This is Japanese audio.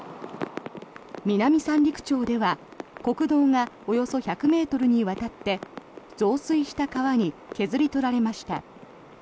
南三陸町では国道がおよそ１００ｍにわたって増水した川に削り取られました。